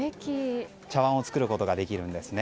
茶わんを作ることができるんですね。